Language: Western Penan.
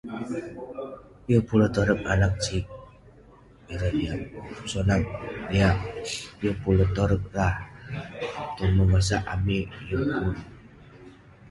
Ye pun letoreq anaq chiq, [unintelligible] ye pun letoreq rah tong bengosak amik, ye pun.